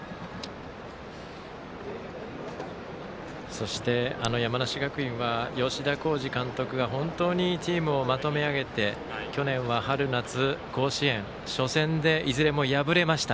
そして山梨学院は吉田洸二監督が本当にチームをまとめ上げて去年は春夏、甲子園初戦でいずれも敗れました。